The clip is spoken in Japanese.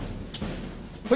はい。